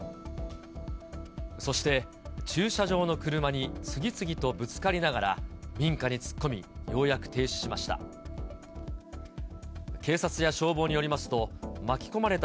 そして、駐車場の車に次々とぶつかりながら、民家に突っ込み、ようやく停止しました。